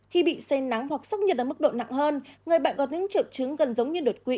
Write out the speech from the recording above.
khi bị say nắng hoặc sốc nhiệt ở mức độ nặng hơn người bệnh có những triệu chứng gần giống như đột quỵ